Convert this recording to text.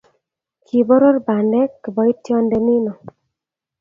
Kiboror bandek kiboitionde nino